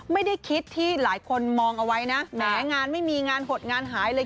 ไม่ได้คิดที่หลายคนมองเอาไว้นะแหมงานไม่มีงานหดงานหายเลย